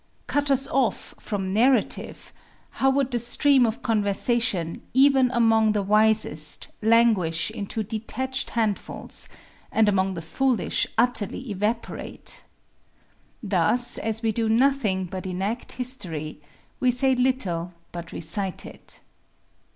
Cut us off from Narrative, how would the stream of conversation, even among the wisest, languish into detached handfuls, and among the foolish utterly evaporate! Thus, as we do nothing but enact History, we say little but recite it.